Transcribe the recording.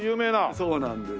そうなんです。